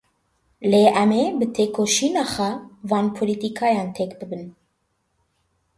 Lê em ê bi têkoşîna xwe van polîtîkayan têk bibin.